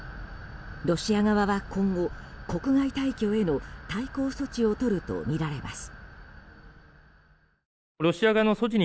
ロシア側は今後、国外退去への対抗措置をとるとみられます。